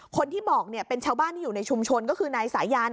คนที่บอกเป็นชาวบ้านที่อยู่ในชุมชนก็คือนายสายัน